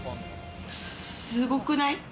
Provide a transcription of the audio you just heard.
すごくない？